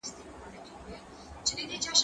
زه مخکي سپينکۍ مينځلي وو،